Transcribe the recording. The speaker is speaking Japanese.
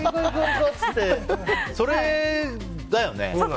これだよね。